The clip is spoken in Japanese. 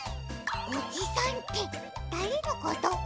おじさんってだれのこと？